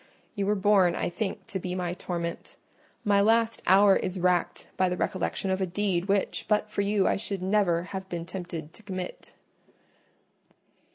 You were born, I think, to be my torment: my last hour is racked by the recollection of a deed which, but for you, I should never have been tempted to commit."